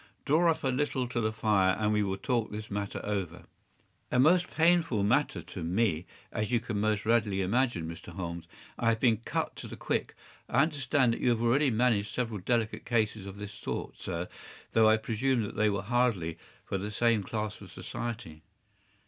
Draw up a little to the fire, and we will talk this matter over.” “A most painful matter to me, as you can most readily imagine, Mr. Holmes. I have been cut to the quick. I understand that you have already managed several delicate cases of this sort, sir, though I presume that they were hardly from the same class of society.